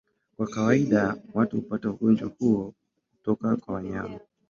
Kwa kawaida watu hupata ugonjwa huo kutoka kwa wanyama.